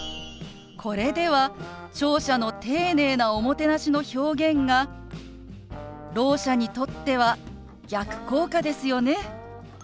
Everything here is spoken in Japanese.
これでは聴者の丁寧なおもてなしの表現がろう者にとっては逆効果ですよね。